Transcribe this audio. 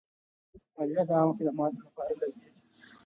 مالیه د عامه خدماتو لپاره لګیږي.